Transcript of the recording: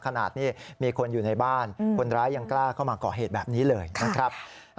ขนาดนี้มีคนอยู่ในบ้านคนร้ายยังกล้าเข้ามาก่อเหตุแบบนี้เลยนะครับ